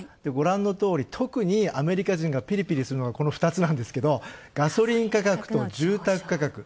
ご覧のとおり、特にアメリカ人がぴりぴりするのがこの２つなんですけど、ガソリン価格と住宅価格。